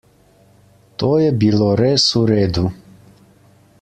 To je bilo res vredu.